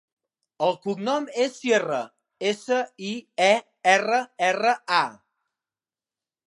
El cognom és Sierra: essa, i, e, erra, erra, a.